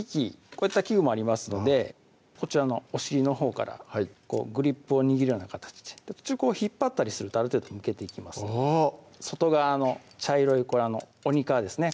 こういった器具もありますのでこちらのお尻のほうからグリップを握るような形で途中引っ張ったりするとある程度むけていきますので外側の茶色いこれ鬼皮ですね